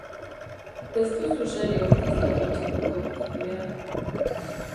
Ez duzu serio aurkeztea pentsatuko, Javier...